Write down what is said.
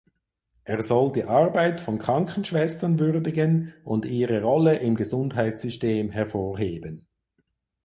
Er soll die Arbeit von Krankenschwestern würdigen und ihre Rolle im Gesundheitssystem hervorheben.